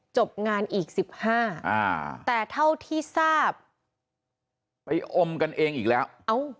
จบงานอีก๑๕แต่เท่าที่ทราบไปอมกันเองอีกแล้ว